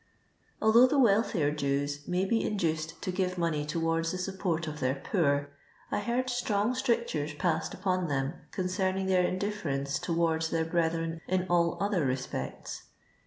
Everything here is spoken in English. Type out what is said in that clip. Although the wealthier Jews may be induced to give money towards the support of their poor, I heard strong strictures passed upon them con cerning their indifference towards their brethren in all other respects.